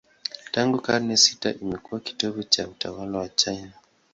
Tangu karne sita imekuwa kitovu cha utawala wa China.